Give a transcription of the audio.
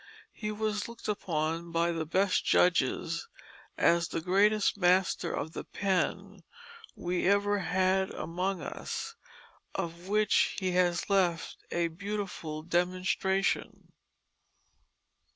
He was looked upon by the best Judges as the Greatest Master of the pen we ever had among us, of which he has left a beautiful Demonstration."